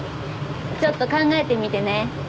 ちょっと考えてみてね。